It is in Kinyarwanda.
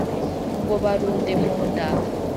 ngo barunde mu nda